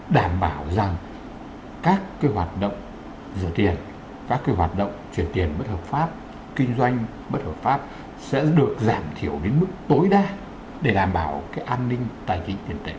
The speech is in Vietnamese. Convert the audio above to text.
đảm bảo rằng các hoạt động rửa tiền các hoạt động chuyển tiền bất hợp pháp kinh doanh bất hợp pháp sẽ được giảm thiểu đến mức tối đa để đảm bảo an ninh tài chính tiền tệ